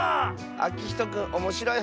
あきひとくんおもしろいはっけん